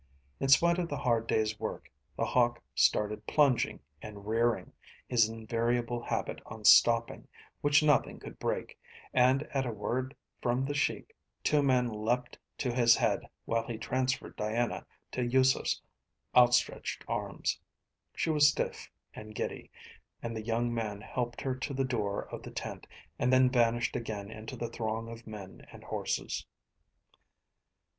In spite of the hard day's work The Hawk started plunging and rearing, his invariable habit on stopping, which nothing could break, and at a word from the Sheik two men leaped to his head while he transferred Diana to Yusef's outstretched arms. She was stiff and giddy, and the young man helped her to the door of the tent, and then vanished again into the throng of men and horses.